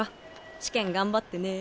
試験頑張ってね。